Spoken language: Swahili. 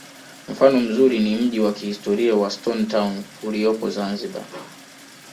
mfano mzuri ni mji wa kihistoria wa stone town uliopo zanzibar